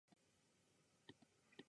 湖南省の省都は長沙である